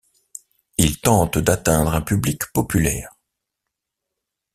Il tente d'atteindre un public populaire.